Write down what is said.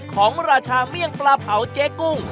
ราชาเมี่ยงปลาเผาเจ๊กุ้ง